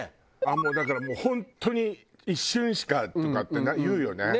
もうだから本当に一瞬しかとかって言うよね。